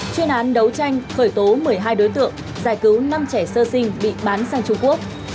chuyên án đấu tranh khởi tố một mươi hai đối tượng giải cứu năm trẻ sơ sinh bị bán sang trung quốc